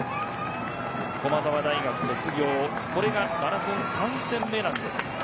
駒澤大学卒業後これがマラソン３戦目です。